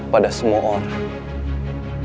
pada semua orang